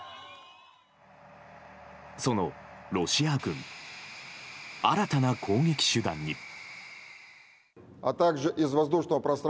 そのロシア軍新たな攻撃手段に。